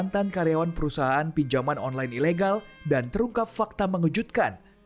mantan karyawan perusahaan pinjaman online ilegal dan terungkap fakta mengejutkan